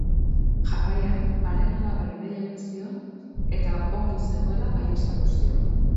Jarraian, haren alabari dei egin zion eta ongi zegoela baieztatu zion.